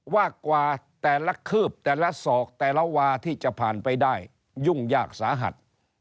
ว่ากว่าแต่ละคืบแต่ละศอกแต่ละวาที่จะผ่านไปได้ยุ่งยากสาหัส